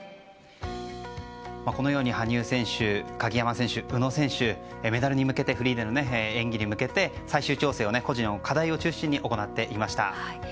このように羽生選手鍵山選手宇野選手、メダルに向けてフリーでの演技の最終調整を個人を中心の課題に練習を行っていました。